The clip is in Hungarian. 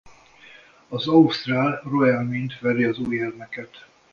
Az Austral Royal Mint veri az új érméket.